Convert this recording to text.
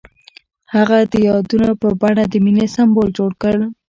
هغه د یادونه په بڼه د مینې سمبول جوړ کړ.